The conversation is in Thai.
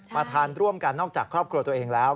ทานร่วมกันนอกจากครอบครัวตัวเองแล้ว